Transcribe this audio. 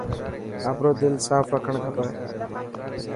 آپرو دل ساف رکڻ کپي.